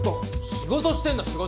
仕事してんだ仕事！